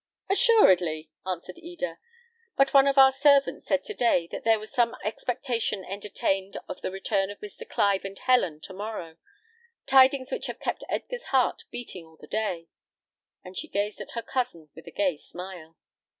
"Assuredly," answered Eda; "but one of our servants said to day, that there was some expectation entertained of the return of Mr. Clive and Helen to morrow: tidings which have kept Edgar's heart beating all the day;" and she gazed at her cousin with a gay smile.